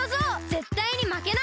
ぜったいにまけない！